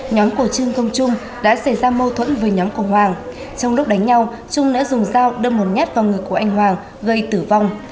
nhóm của trương công trung đã xảy ra mâu thuẫn với nhóm của hoàng trong lúc đánh nhau trung đã dùng dao đâm một nhát vào người của anh hoàng gây tử vong